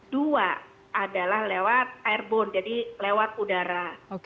dua adalah lewat air bone jadi lewat udara